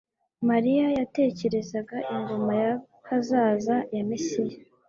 Mariya yatekerezaga ingoma y'ahazaza ya Mesiya __